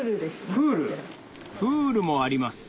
プールもあります